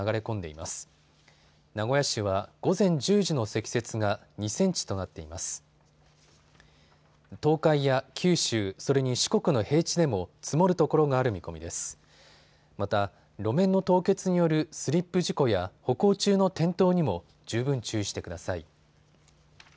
また、路面の凍結によるスリップ事故や歩行中の転倒にも十分注意してください。